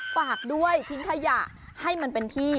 ฝากด้วยทิ้งขยะให้มันเป็นที่